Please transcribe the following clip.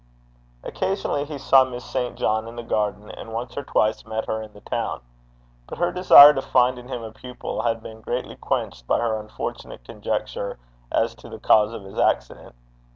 Occasionally he saw Miss St. John in the garden, and once or twice met her in the town; but her desire to find in him a pupil had been greatly quenched by her unfortunate conjecture as to the cause of his accident.